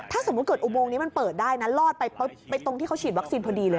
ถ้าสมมุติเกิดอุโมงนี้มันเปิดได้นะลอดไปปุ๊บไปตรงที่เขาฉีดวัคซีนพอดีเลย